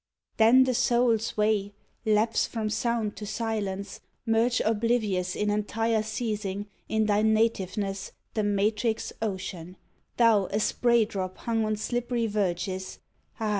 Then the Soul's way : lapse from sound to silence, Merge oblivious in entire ceasing In thy nativeness, the matrix ocean, Thou a spray drop hung on slippery verges ; Ah